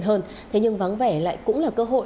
hơn thế nhưng vắng vẻ lại cũng là cơ hội